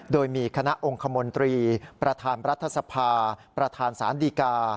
โดยมีคณะองค์คมนตรีประธานรัฐสภาประธานศาลดีกา